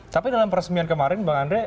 tapi dalam peresmian kemarin bang andre